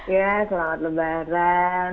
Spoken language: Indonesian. ya selamat lebaran